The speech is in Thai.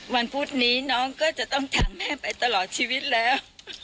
พุธนี้น้องก็จะต้องถามแม่ไปตลอดชีวิตแล้ว